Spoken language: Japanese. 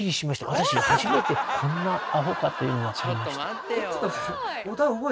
私初めてこんなアホかっていうのがわかりました。